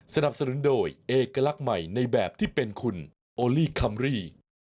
สนับสนุนโดยเอกลักษณ์ใหม่ในแบบที่เป็นคุณโอลี่คัมรี่